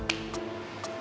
dan ternyata benar